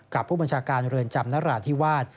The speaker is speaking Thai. กับผู้บัญชาการเรือนจำนราธิวาส